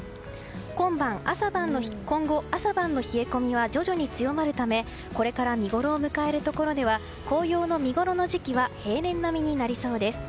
今後、朝晩の冷え込みは徐々に強まるためこれから見ごろを迎えるところでは紅葉の見ごろの時期は平年並みになりそうです。